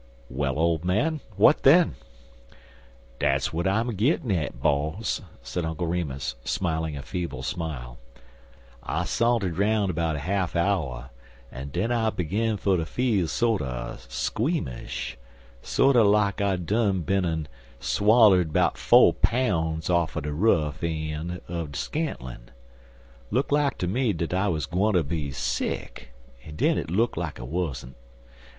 "Well, old man, what then?" "Dat's w'at I'm a gittin' at, boss," said Uncle Remus, smiling a feeble smile. "I santered roun' 'bout er half nour, an den I begin fer ter feel sorter squeemish sorter like I done bin an, swoller'd 'bout fo' poun's off'n de ruff een' uv er scantlin'. Look like ter me dat I wuz gwineter be sick, an' den hit look like I wuzzent.